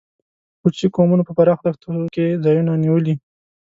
کوچي قومونو په پراخو دښتونو کې ځایونه نیولي.